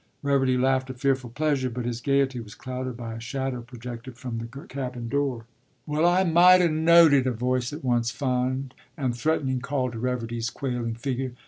” Reverdy laughed a fearful pleasure, but his gaiety was clouded by a shadow projected from the cabin door. “Well, I mought 'a' knowed it!” a voice at once fond and threatening called to Reverdy's quailing figure.